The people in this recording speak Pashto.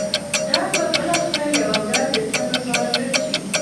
درد به بالاخره یوه ورځ د تل لپاره ورک شي.